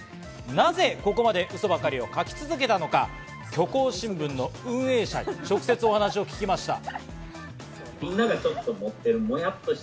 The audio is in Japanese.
なぜここまでウソばかりを書き続けたのか虚構新聞の運営者に直接お話を聞きました。